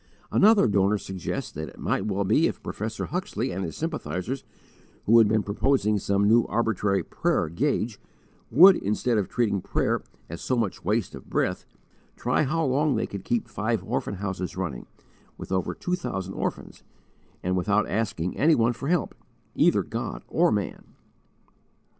Another donor suggests that it might be well if Prof. Huxley and his sympathisers, who had been proposing some new arbitrary "prayer gauge" would, instead of treating prayer as so much waste of breath, try how long they could keep five orphan houses running, with over two thousand orphans, and without asking any one for help, either "GOD or MAN."